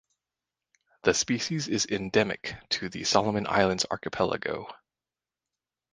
The species is endemic to the Solomon Islands archipelago.